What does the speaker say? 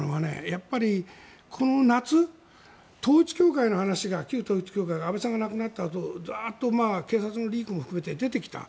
やっぱりこの夏旧統一教会の話が安倍さんが亡くなったあと警察のリークも含めて出てきた。